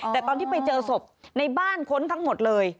แต่ตอนที่ไปเจอศพในบ้านค้นทั้งหมดเลย